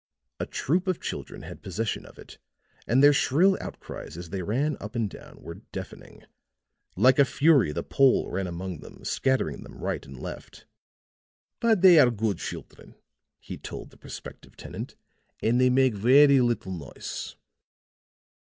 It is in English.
A troop of children had possession of it and their shrill outcries as they ran up and down were deafening. Like a fury the Pole ran among them, scattering them right and left. "But they are good children," he told the prospective tenant, "and they make very little noise."